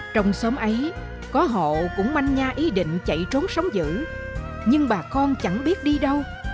trong xóm ấy có hộ cũng manh nha ý định chạy trốn sống giữ nhưng bà con chẳng biết đi đâu